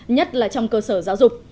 nhất là trong cơ sở giáo dục